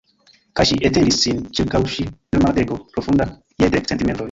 Kaj ŝi etendis sin ĉirkaŭ ŝi larmlageto profunda je dek centimetroj.